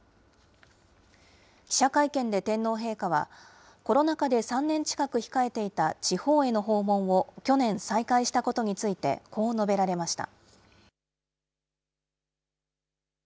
記者会見で天皇陛下は、コロナ禍で３年近く控えていた地方への訪問を去年再開したことについて、こう述べられました。